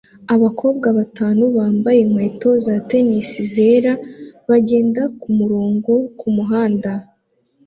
Abakobwa batanu bambaye inkweto za tennis zera bagenda kumurongo kumuhanda